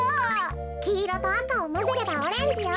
きいろとあかをまぜればオレンジよ。